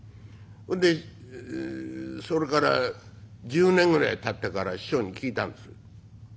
それでそれから１０年ぐらいたってから師匠に聞いたんです。